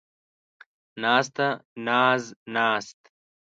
ناسته ، ناز ، ناست